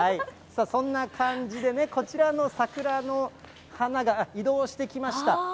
そんな感じでね、こちらの桜の花が、移動してきました。